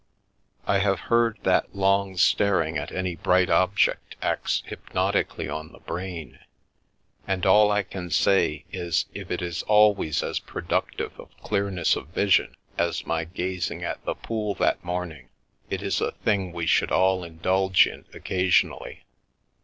I have heard that long staring at any bright object acts hypnotically on the brain, and all I can say is if it is always as productive of clearness of vision as my gazing at the pool that morning, it is a thing we should all indulge in occasionally.